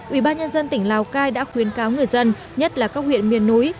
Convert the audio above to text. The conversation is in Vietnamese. ubnd tỉnh lào cai đã khuyến cáo người dân nhất là các huyện miền núi